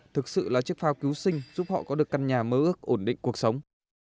thực sự là chiếc phao cứu sinh giúp họ có được căn nhà mơ ước ổn định cuộc sống